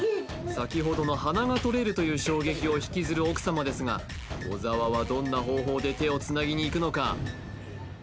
先ほどの鼻が取れるという衝撃を引きずる奥様ですが小澤はどんな方法で手を繋ぎにいくのか？